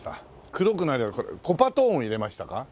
黒くなるコパトーンを入れましたか？